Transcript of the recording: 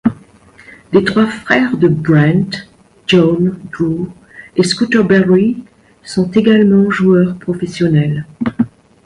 Les trois frères de Brent, Jon, Drew, et Scooter Barry, sont également joueurs professionnels.